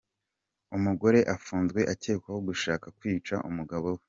Umugore afunzwe akekwaho gushaka kwica umugabo we